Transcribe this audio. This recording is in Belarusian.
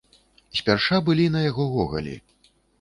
Спярша былі на яго гогалі.